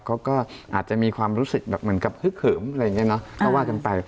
เขาก็อาจจะมีความรู้สึกเหมือนกับเหิมอะไรอย่างนี้นะ